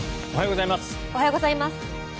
おはようございます。